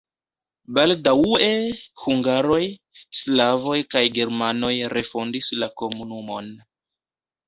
Baldaŭe hungaroj, slavoj kaj germanoj refondis la komunumon.